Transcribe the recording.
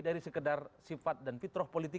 dari sekedar sifat dan fitroh politik